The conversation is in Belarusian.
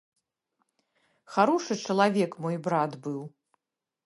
Харошы чалавек мой брат быў.